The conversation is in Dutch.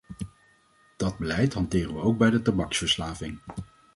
Dat beleid hanteren we ook bij de tabaksverslaving.